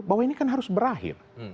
bahwa ini kan harus berakhir